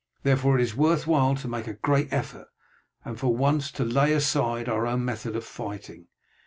Therefore it is worth while to make a great effort, and for once to lay aside our own method of fighting.